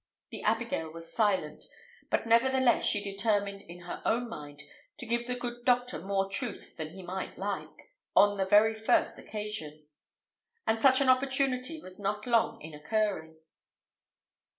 The abigail was silent; but nevertheless she determined, in her own mind, to give the good doctor more truth than he might like, on the very first occasion; and such an opportunity was not long in occurring.